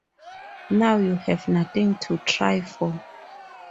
Now you have nothing to try for.